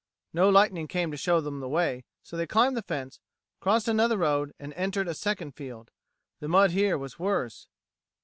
No lightning came to show them the way, so they climbed the fence, crossed another road, and entered a second field. The mud here was worse.